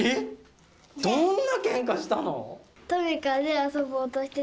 どんなケンカしたの？